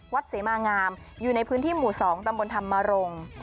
เสมางามอยู่ในพื้นที่หมู่๒ตำบลธรรมรงค์